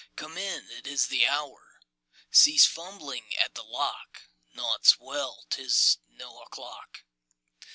Come in! It is the hour! Cease fumbling at the lock! Naught's well! 'Tis no o'clock!